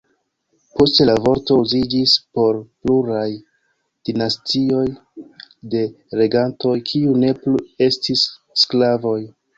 Poste la vorto uziĝis por pluraj dinastioj de regantoj, kiuj ne plu estis sklavoj.